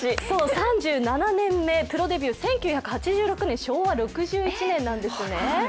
そう、３７年目、プロデビュー１９８６年昭和６１年なんですね。